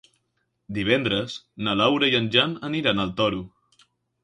Divendres na Laura i en Jan aniran al Toro.